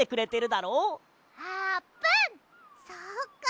そっか！